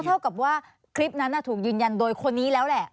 เท่ากับว่าคลิปนั้นถูกยืนยันโดยคนนี้แล้วแหละ